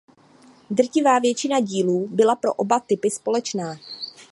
Drtivá většina dílů byla pro oba typy společná.